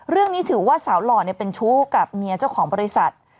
เรื่องนี้ถือว่าสาวหล่อเป็นชู้กับเมียเจ้าของบริษัท